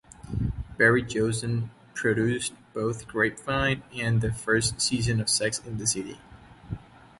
Barry Jossen produced both Grapevine and the first season of Sex in the City.